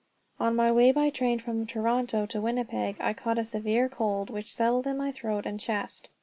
On my way by train from Toronto to Winnipeg I caught a severe cold, which settled in my throat and chest.